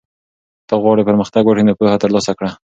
که ته غواړې پرمختګ وکړې نو پوهه ترلاسه کړه.